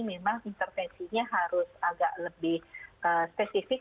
memang intervensinya harus agak lebih spesifik